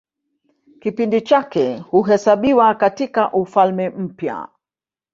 Kipindi chake huhesabiwa katIka Ufalme Mpya.